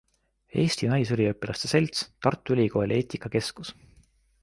Eesti Naisüliõpilaste Selts, Tartu Ülikooli eetikakeskus.